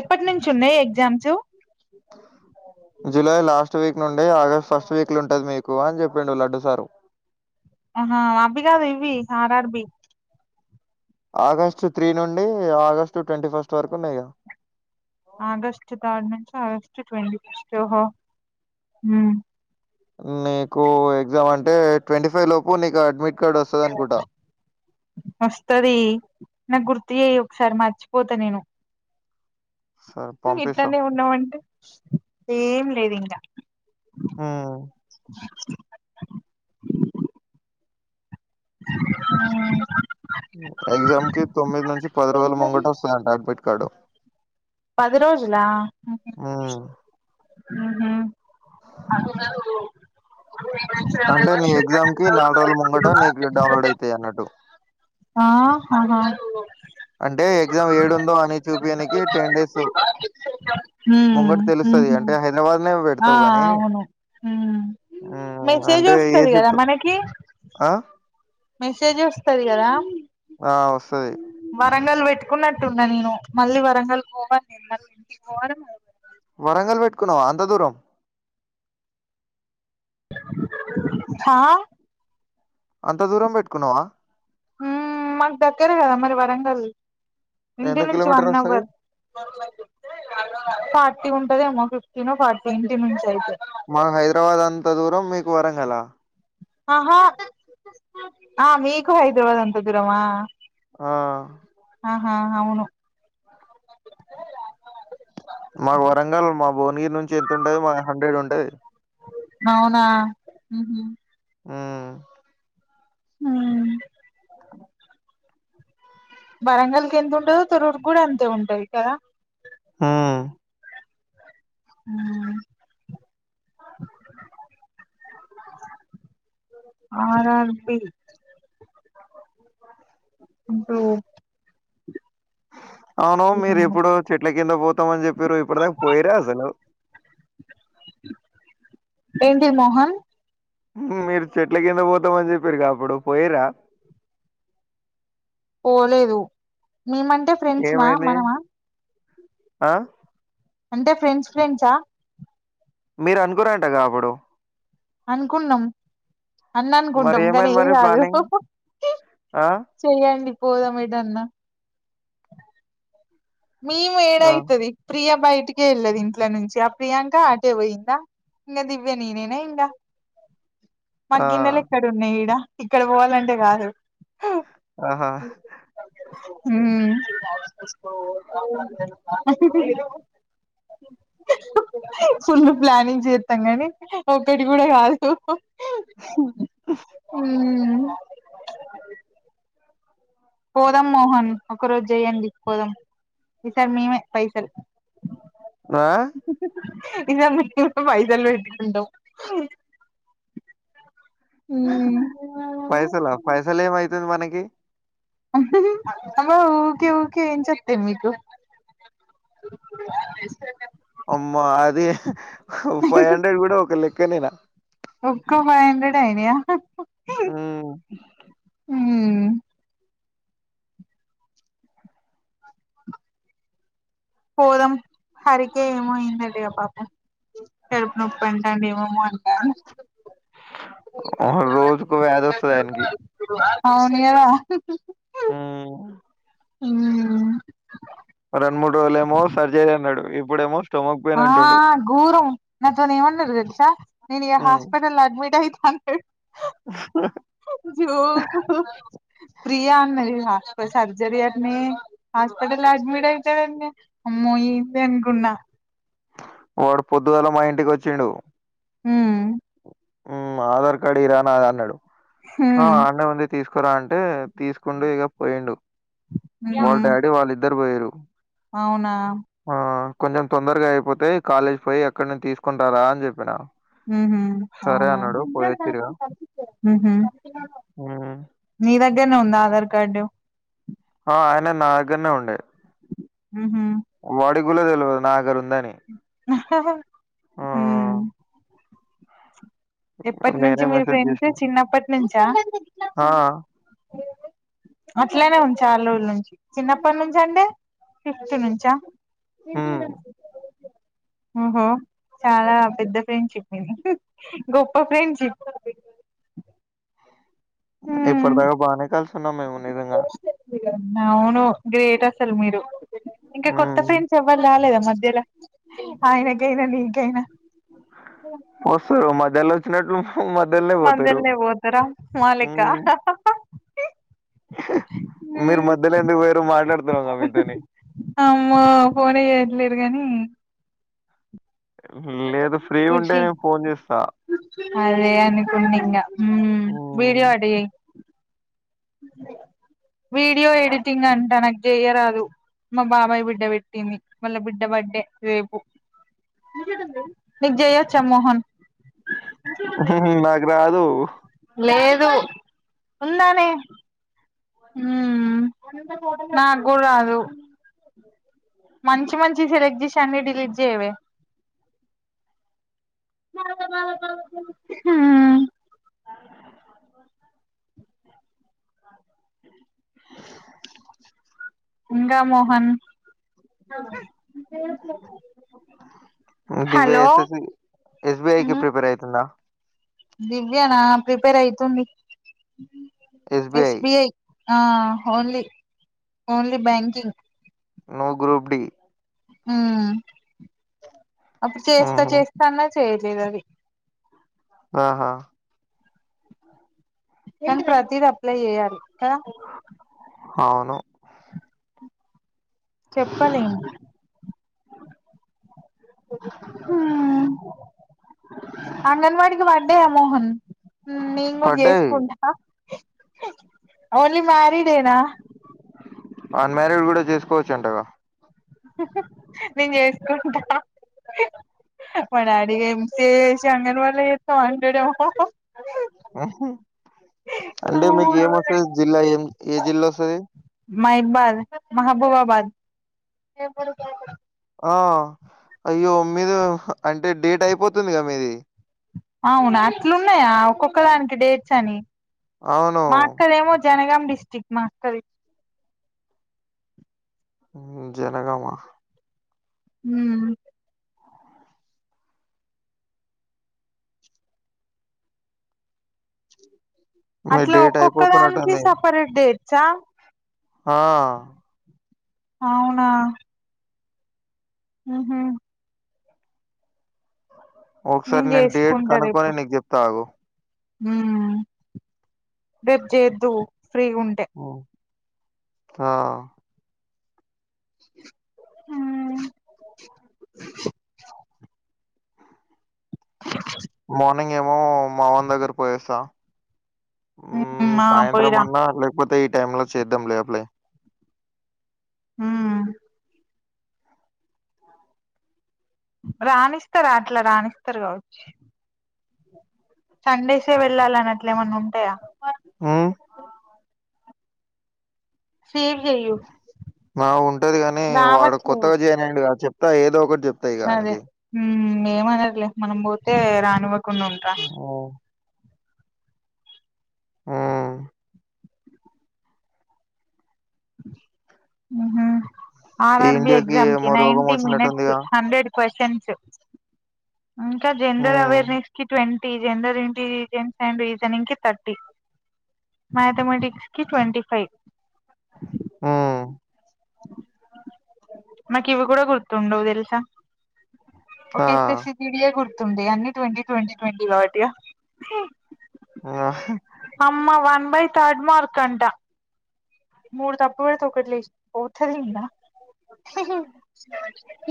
ఎప్పటి నుంచి ఉన్నాయి ఎగ్జామ్స్ జులై లాస్ట్ వీక్ నుండి ఆగస్ట్ ఫస్ట్ వీక్లు ఉంటుది మీకు అని చెప్పిండు లడ్డు సారు హా అవి కాదు ఇవి ఆర్ఆర్బీ ఆగస్టు త్రీ నుండి ఆగస్టు ట్వంటీ ఫస్ట్ వరకు ఉన్నాయిగా ఆగస్ట్ థర్డ్ నుంచి ఆగస్ట్ ట్వంటీ ఫస్ట్ ఓహో నీకు ఎగ్జామ్ అంటే ట్వంటీ ఫైవ్ లోపు నీకు అడ్మిట్ కార్డ్ వస్తది అనుకుంటా వస్తది నాకు గుర్తు చేయి ఒకసారి మర్చిపోతా నేను సరే పంపిస్తా ఇట్లానే ఉన్నావంటే ఏం లేదు ఇంకా ఆ అ అ ఆ ఎగ్జామ్ కి తొమ్మిది నుంచి పది రోజులు ముంగట వస్తదంట అడ్మిట్ కార్డు పది రోజులా ఆ ఉహు అంటే నీ ఎగ్జామ్ [inaudible] ది అన్నట్టు ఆహా అంటే ఎగ్జామ్ ఏడు ఉందో అని చూపీయానికి టెన్ డేస్ ఉమ్ ముంగటి తెలుస్తది ఉహు అంటే హైదరాబాద్నే ఆ పెడతావు గానీ అవును ఉమ్ మెసేజ్ అంటే ఏ వస్తది కదా చెప్ట్ మనకి ఆ మెసేజ్ వస్తది కదా ఆ వస్తుది వరంగల్ పెట్టుకున్నట్టున్నా నేను మళ్ళీ వరంగల్ పోవాలి నేను మళ్ళీ ఇంటి పోవను వరంగల్ పెట్టుకున్నావ అంత దూరం హా అంత దూరం పెట్టుకున్నావా మాకు దగ్గర కదా మరి వరంగల్ ఎంత ఇంటి నుంచి కిలోమీటర్ వన్ వస్తది అవర్ ఫార్టీ ఉంటదేమో ఫిఫ్టీన్ ఫార్టీ ఇంటి నుంచి అయితే మాకు హైదరాబాద్ అంత దూరం మీకు వరంగలా ఆహా ఆ మీకు హైదరాబాద్ అంత దూరమా ఆ ఆహా అవును మాకు వరంగల్ మా భువనగిరి నుంచి ఎంత ఉంటది వన్ హండ్రెడ్ ఉంటది అవునా ఆ ఆ వరంగల్కి ఎంత ఉంటందో తొర్రూరు కూడా అంతే ఉంటది కదా ఆ ఆ ఆర్ ఆర్ బి ంట [unintelligible] అవును మీరు ఎప్పుడు చెట్ల కింద పోతామని చెప్పిరు ఇప్పటిదాకా పోయిరా అసలు ఏంటిది మోహన్ మీరు చెట్ల కిందకి పోతామని చెప్పిరు గా అప్పుడు పోయరా పోలేదు మేమంటే ఫ్రెండ్స్ మా ఏమైంది మనమా ఆ అంటే ఫ్రెండ్స్ ఫ్రెండ్సా మీరు అనుకురంటగా అప్పుడు అనుకున్నాం అన్న మరి అనుకుంటాం కానీ ఏమైంది ఏది మరి కాదు ప్లానింగ్ ఆ చేయ్యండి పోదమ్ ఎటు అన్న మేము ఆ ఏడైతది ప్రియ బయటికే వెళ్ళదు ఇంట్ల నుంచి ఆ ప్రియాంక ఆటే పోయిందా ఇంగ దివ్య నేనేనా ఇంగా మాకు ఆ గిన్నెలు ఎక్కడ ఉన్నాయి ఈడ ఇక్కడ పోవాలంటే కాదు ఆహా ఉం ఫుళ ప్లానింగ్ చేస్తాం కానీ ఒకటి కూడా కాదు ఉం పోదాం మోహన్ ఒక రోజు చేయండి పోదాం ఈసారి మేమే పైసలు ఆ ఇ సరి మేమే పైసలు పెేటిట్ండ [unintelligible] పైసలా పైసలు ఏం అయితది మనకి అబా ఊకే ఊకే ఏం చెప్తే మీకు అమ్మా అది ఫైవ్ హండ్రెడ్ కూడా ఒక లెక్కనేనా ఒక్క ఫైవ్ హండ్రెడే అయినయా హ్మ్. పోదం హరికే ఏమో అయిందడిగా పాప చెవి నొప్పి అంటండి ఏమేమో అంటా [unintelligible] రోజుకు వ్యాధి వస్తది ఆయనకి అవును గదా ఆ ఉం రెండు మూడు రోజులుమో సర్జరీ అన్నాడు ఇప్పుడేమో స్టొమక్ పెయిన్ ఆ అంటుండు ఘోరం నాతోని ఏమన్నాడు తెల్సా నేను ఇగ హ్మ్. హాస్పిటల్ లో అడ్మిట్ అయితా అన్నడు జోకు ప్రియాన్నది ఆ కు సర్జరి నే హాస్పటల్ అడ్మిట్ అయితాడన్నే అమ్మో ఏంది అనుకున్నా వాడు పొద్దుగల మా ఇంటికి వచ్చిండు ఊ హ్మ్. ఆధార్ కార్డు ఇరా నాది అన్నాడు ఆ హ్మ్ ఆండ ముంది తీసుకురా అంటే తీసుకుండు ఇక పోయిండు వాళ్ళ హ్మ్ డాడీ వాళ్ళ ఇద్దరు పోయరు అవునా ఆ కొంచెం తొందరగా అయిపోతే కాలేజ్ పోయి అక్కడి నుంచి తీసుని రా రా అని చెప్పినా అవునా పోయొచ్చిరిగా. ఉహు హ్మ్. మీ దగ్గరనే ఉంద ఆధార్ కార్డు ఆ ఆయన నా దగ్గర నే ఉండే ఉహు వాడి కులా తెల్వదు నా దగర ఉందని ఆ! ఉమ్ ఎప్పటి నుంచి నేనే మీరు మెసేజ్ ఫ్రెండ్స్ జేసినా. చిన్నప్పటి నుంచా ఆ! అట్లనే ఉంచా అలుల నుంచి చిన్నప్పటి నుంచి అంటె ఫిఫ్త్ నుంచా హ్మ్. జంతువులం ఓహో చాలా పెద్ద ఫ్రెండ్షిప్ మీది గొప్ప ఫ్రెండ్షిప్ ఇప్పటి హ్మ్ దాకా బాగానే కలిసున్నాం మేము నిజంగా అవును గ్రేట్ అసలు మీరు ఇంకా కొత్త ఫైన్స్ హ్మ్. ఫ్రెండ్స్ ఎవ్వాల్ రాలేదా మధ్యలో ఆయనకైనా నీకైనా వస్తారు మధ్యలో వచ్చినట్లు హ మద్యల్నే మద్యాలనే ఓతార మాలెక మీరు ఉమ్, మధ్యలో ఎందుకు వేరు మాట్లాడుతున్నాగ మీతోని అమ్మో ఫోన్ నే ఏట్లేరు గాని లేదు ఫ్రీ ఉంటే ఖుషి నేను ఫోన్ చేస్తా అదే అనుకున్నీంగ ఊ వీడియో హ్మ్. అట చెయ్ వీడియో ఎడిటింగ్ అంట నాకు చేయరాదు మా బాబాయ్ బిడ్డ పెట్టింది వాళ్ళ బిడ్డ బడ్డే రేపు నీకు జయొచ్చ మోహన్ నాకు రాదు లేదు ఉందానే ఊ నాకు కూడా రాదు మంచి మంచి సెలెక్ట్ చేసి అన్ని డిలీట్ చేయవె ఊ [unintelligible] ఇంగ మోహన్ అగొ ప్లేస్ లే దివ్య ఎస్ఎస్సి, ఎస్బిఐ కి ప్రిపేర్ అయితుందా దివ్యనా ప్రిపేర్ అయితుంది ఎస్‌బీఐ. ఎస్బిఐ ఆ only only banking no group D హ అప్పుడు చేస్తా హుహు. చేస్తా అన్నా చేయలేదు అది ఆహా కానీ ప్రతీది అప్లై చేయాలి. హవును చెప్పలేమ్ అంగన్వాడికి వడ్డయా మోహన్ నేను కూడా పడ్డాయి. చేసుకుంటా ఓన్లీ మ్యారీడేనా అన్మారీడ్ కూడా చేసుకోవచ్చు అంటగా నేను చేసుకుంటా మా డాడీ ఎంసిఎ చేసి అంగన్ వాడి చేత్త అంటాడేమో అంటే మీకు ఏం వస్తది జిల్లా ఏం ఏ జిల్లా వస్తది మైబగ మహబూబాబాద్ ఆ అయ్యో మీద అంటే డేట్ అయిపోతుందిగా మీది అవునా అట్లున్నాయా ఒక్కొక్క దానికి డేట్స్ అని అవును మా అక్క దేమో జనగాం డిస్ట్రిక్ట్ మా అక్కది హ్మ్ జనగామా హ్మ్ మీ అట్లా డేట్ ఒక్కొక్కదానికి అయిపోతున్నట్టుంది సపరేట్ డేట్స్టా ఆ అవునా ఆహ ఒకసారి నేను డేట్ కనుక్కొని నీకు చెప్తా ఆగు హ్మ్ రేపు చేద్దువు ఫ్రీగుంటే ఆ హా హా మార్నింగ్ ఏమో మావన్ దగ్గర పోయోస్తా ఆ సాయంత్రం పోయిరా అన్నా లేకపోతే ఈ టైమ్ లో చేద్దాం లే అప్లై హ్మ్ రాణిస్తారూ అట్లా రాణిస్తారు కావచ్చి సండేసే వెళ్ళాలని అట్లే ఏమన్నా ఉంటాయా ఆ సేవ్ చెయు ఆ ఉంటది గాని వాడు కొత్తగా చేయనండి చెప్తా ఏదో ఒకటి చెప్తా ఇగ అదే ఆనికి ఏమనర్లే మనం పోతే రానివ్వకుండా ఉ ఆఓ ఊ ఆర్ ఈ ఆర్బి ఇండియాకి ఎక్జామ్ కి ఏమో రోగం నైన్టీ వచ్చినట్టుందిగా. మినీట్స్ హండ్రెడ్ క్వశ్చన్స్ ఇంకా జెండర్ హ్మ్. అవేర్నెస్ కి ట్వంట్ టీజెండర్ ఇంటీజెన్స్ అండ్ రీజన్ంగ్ కి థర్టీ మ్యాథమెటిక్స్ కి ట్వంటీ ఫైవ్ ఆ మాకు ఇవి కూడా గుర్తుండవు తెలుసా ఒక ఆ! [unintelligible] పీడియే గుర్తుంది అన్ని ట్వంటీ ట్వంటీ ట్వంటీ కాబట్టిగ ఆహ్ ఆ అమ్మ వన్ బై థర్డ్ మార్క్ అంట మూడు తప్పు పెడితే ఓకటి లేస్పోతదిగా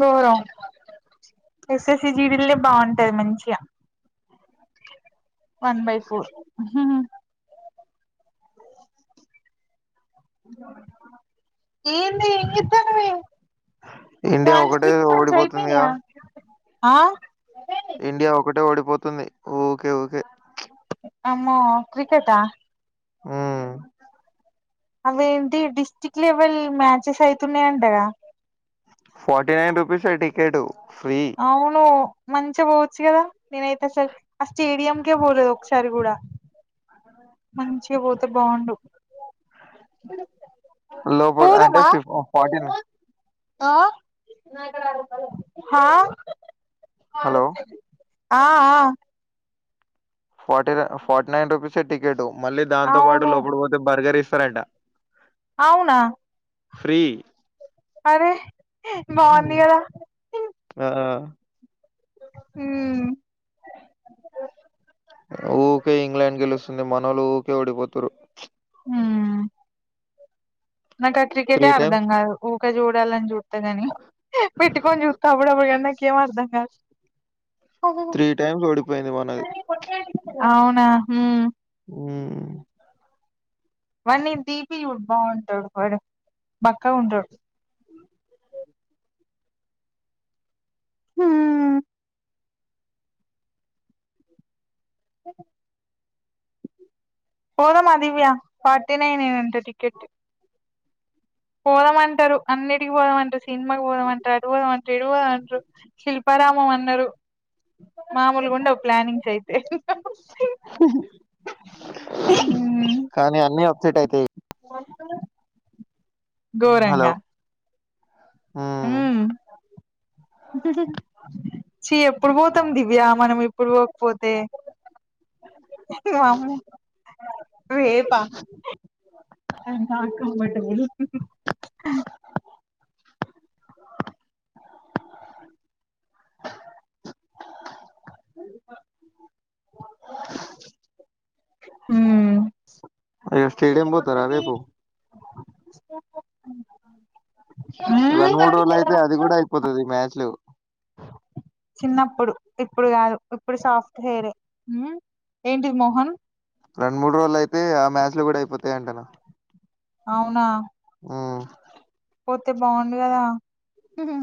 దూరం ఎస్ఎస్సి జీడీలే బాగుంటాది మంచిగా వన్ బై ఫోర్ అ ఏందే ఏం చెప్తనవ్వె ఇండియా ఒకటే ట్రాన్స్క్రిప్షన్ ఓడిపోతుందిగా. అయిపోయినీయా ఆ ఇండియా ఒకటే ఓడిపోతుంది ఊకే ఊకే అమ్మో క్రికెటా ఊ అవేంటి డిస్ట్రిక్ట్ లెవెల్ మ్యాచెస్ అయితున్నాయంటగా ఫోర్టీ నైన్ రూపీసే టికెటు ఫ్రీ అవును మంచిగా పోవచ్చు కదా నేనైతే అసల్ ఆ స్టేడియంకే పోలేదు ఒకసారి కూడా అతను మంచిగ పోతే బావుండు లోపట్ అంటే ఫిఫ్ ఓ ఫార్టీన్ ఆ హా హలో! ఆ ఆ ఫార్టీ ఫార్టీ నైన్ రూపీసే టికెటు మళ్ళీ దాంతో పాటు అవును లోపలపోతే బర్గర్ ఇస్తారంట అవునా ఫ్రీ అరే బాగుంది హ్మ్. కదా ఆ హూ ఊకే ఇంగ్లాండ్ గెలుస్తుంది మనోళ్లు ఊకే ఓడిపోతురు హా నాకా క్రికెటే అర్థం టైమ్స్ కాదు ఊకె చూడాలన్ చూత గాని పెట్టుకొని చూస్తా అప్పుడప్పుటికన్నాకేం అర్ధం కాదు అహు త్రీ టైమ్స్ ఓడిపోయింది మనది అవునా హూ ఊమ్ వాని దీపి చూడు బాంటాడు వాడు బక్క గుంటాడు హూ పోదా మా దివ్య ఫార్టీ నైన్ ఏ అంట టికెట్ పోదామంటారు అన్నిటికి పోదామంటారు సినిమాకి పోదామంటారు అటు పోదామంట్రు పోదామంట్రు శిల్పారామం అన్నారు మామూలు గుండ వ్ ప్లానింగ్స్ అయితే కానీ అన్ని అప్సెట్ అయితాయి హలో గోరంగా ఊ ఉమ్ చి ఎప్పుడు పోతాం దివ్య మనం ఇప్పుడు పోకపోతే. వామ్మో వేపా. అంతా కంమటబుల్. ఊ. ఇగ స్టేడియం పోతారా రేపు రండు మూడు రోజులు అయితే అది కూడా అయిపోతది మ్యాచ్ లో. చిన్నప్పుడు ఇప్పుడు కాదు ఇప్పుడు సాఫ్ట్ హెరే ఉ. ఏంటిది మోహన్. రెండు మూడు రోజులు అయితే ఆ మ్యాచ్ లో కూడా అయిపోతాయ్ అంటన. అవునా. ఆ. పోతే బాగుంది కదా.